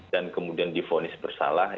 dan kemudian difonis bersalah